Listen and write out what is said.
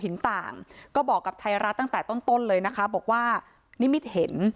ต่างก็บอกกับไทยรัฐตั้งแต่ต้นต้นเลยนะคะบอกว่านิมิตเห็น